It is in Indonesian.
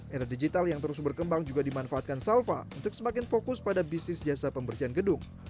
era digital yang terus berkembang juga dimanfaatkan salva untuk semakin fokus pada bisnis jasa pembersihan gedung